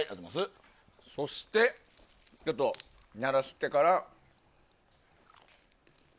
そして、ちょっと慣らしてから。